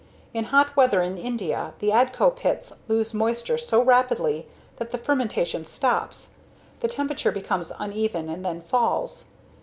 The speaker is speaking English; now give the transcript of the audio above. In hot weather in India, the Adco pits lose moisture so rapidly that the fermentation stops, the temperature becomes uneven and then falls.